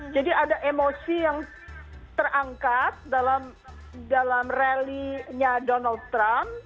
jadi ada emosi yang terangkat dalam rally nya donald trump